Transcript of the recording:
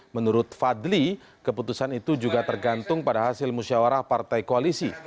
menurut fadli keputusan itu juga tergantung pada hasil musyawarah partai koalisi